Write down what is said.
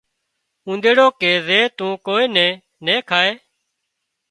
اونۮيڙو ڪي زي تون ڪوئي نين نين کائي